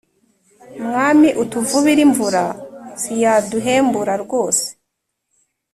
Mwami utuvubire imvura syaduhembura rwose